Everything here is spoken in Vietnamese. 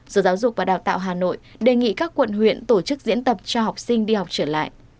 sở giáo dục và đào tạo hà nội đề nghị các quận huyện tổ chức diễn tập cho học sinh đi học trở lại